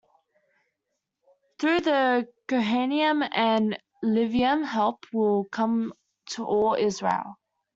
Through the Kohanim and Levi'im help will come to all Israel.